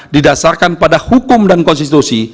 didasarkan pada hukum dan konstitusi